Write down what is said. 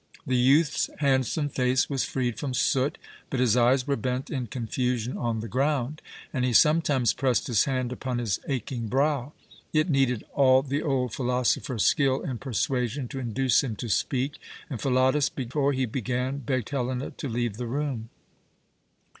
The youth's handsome face was freed from soot, but his eyes were bent in confusion on the ground, and he sometimes pressed his hand upon his aching brow. It needed all the old philosopher's skill in persuasion to induce him to speak, and Philotas, before he began, begged Helena to leave the room.